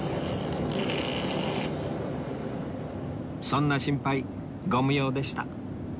そんな心配ご無用でした